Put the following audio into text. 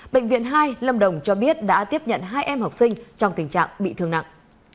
bệnh viện hai lâm đồng cho biết đã tiếp nhận hai em học sinh trong tình trạng bị thương nặng